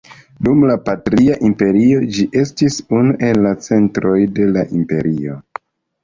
Dum la Partia Imperio ĝi estis unu el centroj de la imperio.